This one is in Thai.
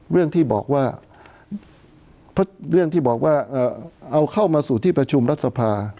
เรื่องที่บอกว่าเอาเข้ามาสู่ที่ประชุมรัฐสภา